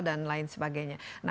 dan lain sebagainya